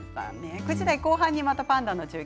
９時台後半にまたパンダの中継